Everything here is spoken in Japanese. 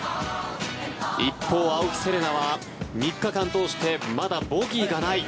一方、青木瀬令奈は３日間通してまだボギーがない。